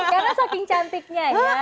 karena saking cantiknya ya